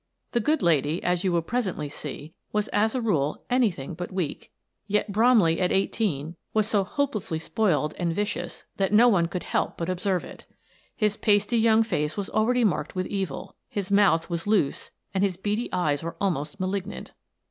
That good lady, as you will presently see, was as a rule anything but weak; yet Bromley at eighteen was so hopelessly spoiled and vicious that no one could help but ob Brotherly Hate 21 serve it. His pasty young face was already marked with evil ; his mouth was loose, and his beady eyes were almost malignant.